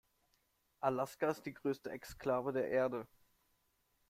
Alaska ist die größte Exklave der Erde.